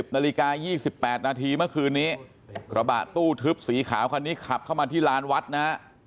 นาฬิกา๒๘นาทีเมื่อคืนนี้กระบะตู้ทึบสีขาวคันนี้ขับเข้ามาที่ลานวัดนะฮะ